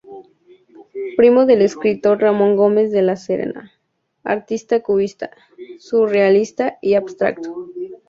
Primo del escritor Ramón Gómez de la Serna, artista cubista, surrealista y abstracto.